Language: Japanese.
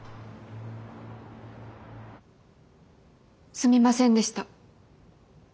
すみませんでした。